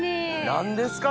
何ですか？